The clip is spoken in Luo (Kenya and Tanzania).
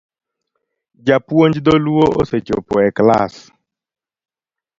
Japuonj dholuo osechopo e klas